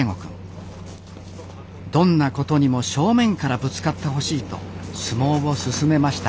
どんなことにも正面からぶつかってほしいと相撲を勧めました